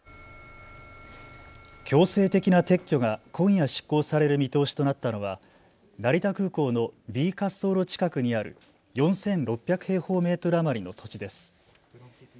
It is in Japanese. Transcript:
強制的な撤去が今夜、執行される見通しとなったのは成田空港のＢ滑走路近くにある４６００平方メートル余りの土地です。